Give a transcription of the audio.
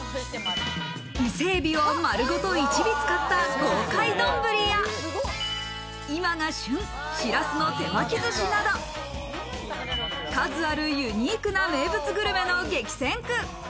伊勢海老を丸ごと１尾使った豪快どんぶりや、今が旬、しらすの手巻き寿司など、数あるユニークな名物グルメの激戦区。